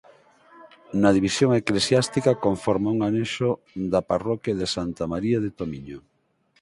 Na división eclesiástica conforma un anexo da parroquia de Santa María de Tomiño.